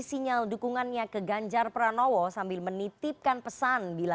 selamat malam bang panel